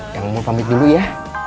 yang mau pamit dulu ya